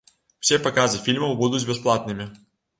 Усе паказы фільмаў будуць бясплатнымі.